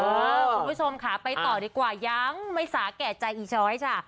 คุณผู้ชมค่ะไปต่อดีกว่ายังไม่สาเหตุใจอีโชยจะ